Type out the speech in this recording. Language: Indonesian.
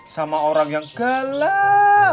sama orang yang gelap